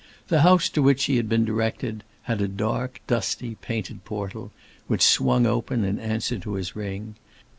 The house to which he had been directed had a dark, dusty, painted portal, which swung open in answer to his ring.